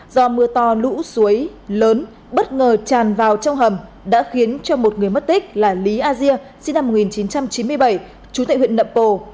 do mưa to lũ suối lớn bất ngờ tràn vào trong hầm đã khiến cho một người mất tích là lý a dia sinh năm một nghìn chín trăm chín mươi bảy chú tại huyện nậm bồ